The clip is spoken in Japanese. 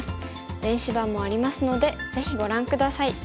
電子版もありますのでぜひご覧下さい。